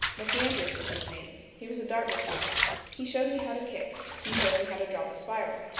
MacAndrews was his name. He was a Dartmouth man. He showed me how to kick. He showed me how to drop a spiral.